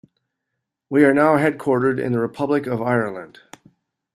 We are now headquartered in the Republic of Ireland.